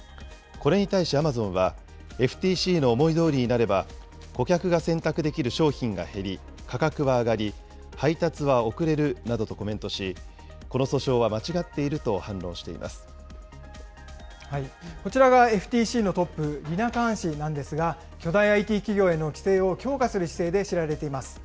これに対しアマゾンは、ＦＴＣの思いどおりになれば、顧客が選択できる商品が減り、価格は上がり、配達は遅れるなどとコメントし、この訴訟は間違っていると反論しこちらがＦＴＣのトップ、リナ・カーン氏なんですが、巨大ＩＴ企業への規制を強化する姿勢で知られています。